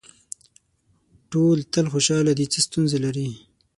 ټول تل خوشاله دي څه ستونزه لري.